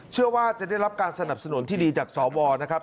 เชื่อว่าจะได้รับการสนับสนุนที่ดีจากสวนะครับ